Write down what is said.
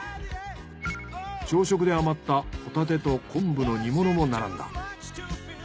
朝食で余ったホタテと昆布の煮物も並んだ。